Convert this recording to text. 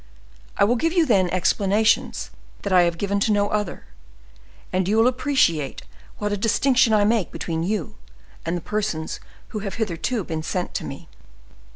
I will give you, then, explanations that I have given to no other, and you will appreciate what a distinction I make between you and the persons who have hitherto been sent to me."